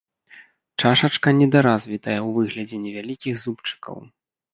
Чашачка недаразвітая ў выглядзе невялікіх зубчыкаў.